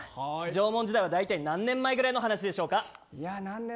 縄文時代はだいたい何年前ぐらいの話でしょうか。